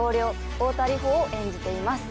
太田梨歩を演じています